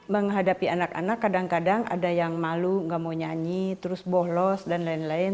menghadapi anak anak kadang kadang ada yang malu gak mau nyanyi terus bolos dan lain lain